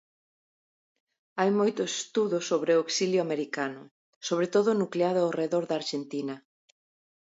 Hai moitos estudos sobre o exilio americano, sobre todo nucleado ao redor da Arxentina.